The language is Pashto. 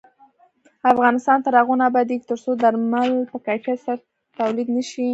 افغانستان تر هغو نه ابادیږي، ترڅو درمل په کیفیت سره تولید نشي.